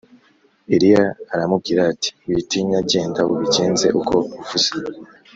Eliya aramubwira ati “Witinya genda ubigenze uko uvuze